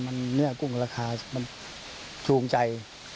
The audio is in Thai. มันเนื้อกุ้งราคามันจูงใจ